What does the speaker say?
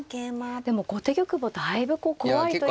でも後手玉もだいぶ怖いといいますか。